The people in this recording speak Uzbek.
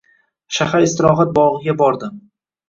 Shahar istirohat bog‘iga bordi.